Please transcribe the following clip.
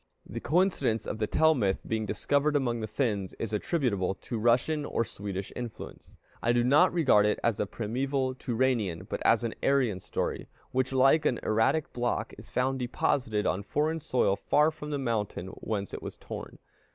The coincidence of the Tell myth being discovered among the Finns is attributable to Russian or Swedish influence. I do not regard it as a primeval Turanian, but as an Aryan story, which, like an erratic block, is found deposited on foreign soil far from the mountain whence it was torn.